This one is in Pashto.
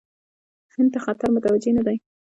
هند ته خطر متوجه نه دی.